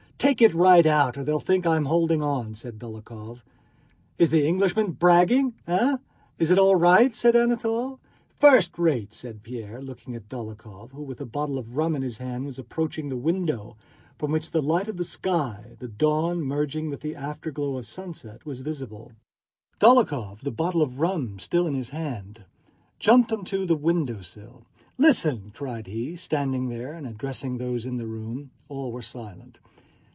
"Take it right out, or they'll think I'm holding on," said Dólokhov. "Is the Englishman bragging?... Eh? Is it all right?" said Anatole. "First rate," said Pierre, looking at Dólokhov, who with a bottle of rum in his hand was approaching the window, from which the light of the sky, the dawn merging with the afterglow of sunset, was visible. Dólokhov, the bottle of rum still in his hand, jumped onto the window sill. "Listen!" cried he, standing there and addressing those in the room. All were silent.